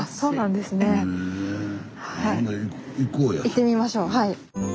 行ってみましょうはい。